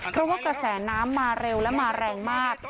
เพราะว่ากระแสน้ำมาเร็วและมาแรงมาก